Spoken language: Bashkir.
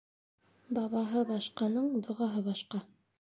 Бабаһы башҡаның доғаһы башҡа.